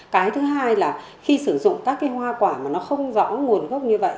cái thứ hai là khi sử dụng các cái hoa quả mà nó không rõ nguồn gốc như vậy